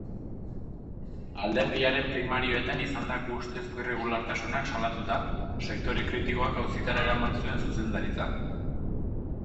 Alderdiaren primarioetan izandako ustezko irregulartasunak salatuta, sektore kritikoak auzitara eraman zuen zuzendaritza.